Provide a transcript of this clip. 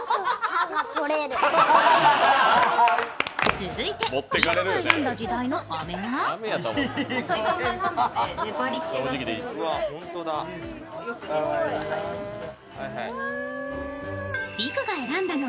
続いてリクが選んだ時代のあめは？